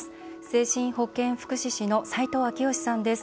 精神保健福祉士の斉藤章佳さんです。